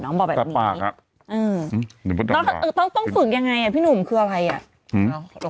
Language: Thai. น้องบอกแบบนี้อืมต้องต้องฝึกยังไงอ่ะพี่หนุ่มคืออะไรอ่ะ